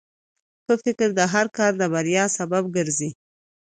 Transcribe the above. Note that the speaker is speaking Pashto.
ښه فکر د هر کار د بریا سبب ګرځي.